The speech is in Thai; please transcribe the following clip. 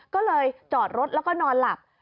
ก็เลยจอดรถแล้วก็นอนหลับ